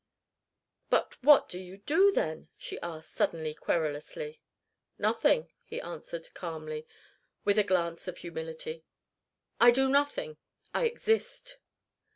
"But what do you do then?" she asked, suddenly, querulously. "Nothing," he answered, calmly, with a glance of humility. "I do nothing, I exist."